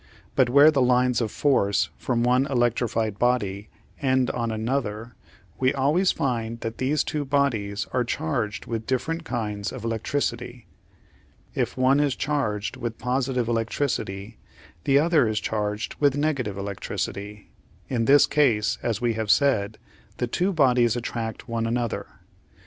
But where the lines of force from one electrified body end on another, we always find that these two bodies are charged with different kinds of electricity. If one is charged with positive electricity the other is charged with negative electricity. In this case, as we have said, the two bodies attract one another.